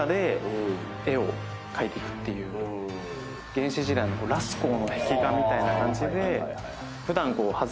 原始時代のラスコーの壁画みたいな感じで。